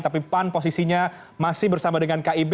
tapi pan posisinya masih bersama dengan kib